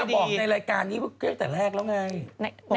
ฉันอะบอกในรายการนี้เมื่อกี้ตั้งแต่แรกแล้วไง